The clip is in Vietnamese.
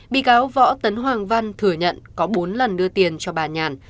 bị cáo võ tấn hoàng văn thừa nhận có bốn lần đưa tiền cho bà nhàn